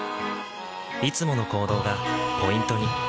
いつもの行動がポイントに。